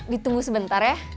ditunggu sebentar ya